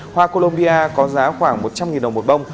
hoa colombia có giá khoảng một trăm linh đồng một bông